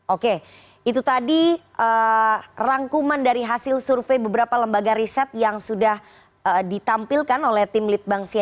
oke itu tadi rangkuman dari hasil survei beberapa lembaga riset yang sudah ditampilkan oleh tim litbang cnn indonesia